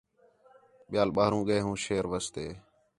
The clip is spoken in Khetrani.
ٻِیال ٻاہروں ڳئے ہوں شیر واسطے